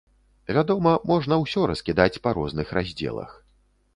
Вядома, можна ўсё раскідаць па розных раздзелах.